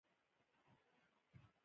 په غنمو د غنمو تبادله لازمه نه ده.